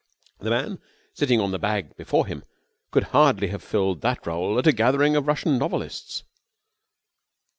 The man sitting on the bag before him could hardly have filled that role at a gathering of Russian novelists.